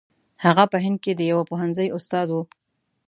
هغه په هند کې د یوه پوهنځي استاد وو.